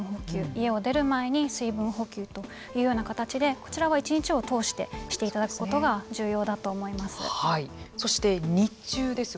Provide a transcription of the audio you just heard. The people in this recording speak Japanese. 家を出る前に水分補給というような形でこちらは１日を通してしていただくことがそして日中です。